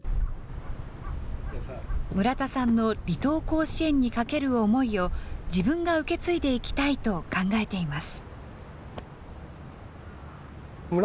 村田さんの離島甲子園にかける思いを、自分が受け継いでいきたいと考えています。